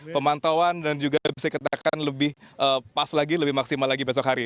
pemantauan dan juga bisa dikatakan lebih pas lagi lebih maksimal lagi besok hari